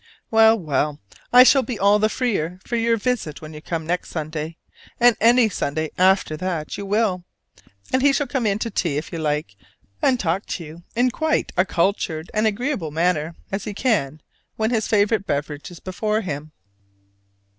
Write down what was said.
Well, well, I shall be all the freer for your visit when you come next Sunday, and any Sunday after that you will: and he shall come in to tea if you like and talk to you in quite a cultured and agreeable manner, as he can when his favorite beverage is before him.